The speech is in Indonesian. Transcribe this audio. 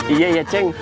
iya ya ceng